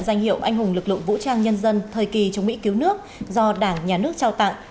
danh hiệu anh hùng lực lượng vũ trang nhân dân thời kỳ chống mỹ cứu nước do đảng nhà nước trao tặng